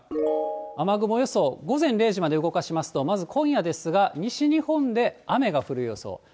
雨雲予想、午前０時まで動かしますと、まず今夜ですが、西日本で雨が降る予想。